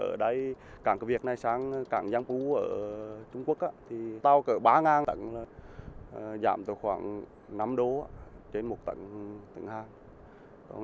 ở đây càng cửa việt này sang càng giang phú ở trung quốc á thì tàu cửa ba ngàn tặng là giảm từ khoảng năm đô trên một tặng tặng hai